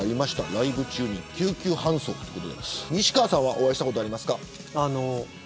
ライブ中に救急搬送ということで西川さんはお会いしたことありますか。